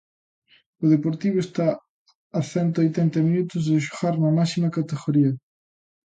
O Deportivo está a cento oitenta minutos de xogar na máxima categoría.